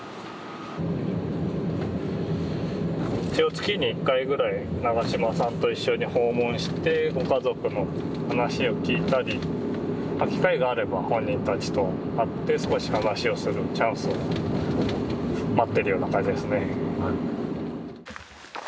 月に１回ぐらい永島さんと一緒に訪問してご家族の話を聞いたり機会があれば本人たちと会って少し話をするチャンスを待ってるような感じですね。